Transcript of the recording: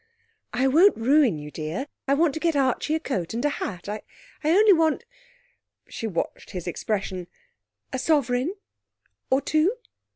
'I won't ruin you, dear. I want to get Archie a coat and a hat. I only want' she watched his expression ' a sovereign or two.'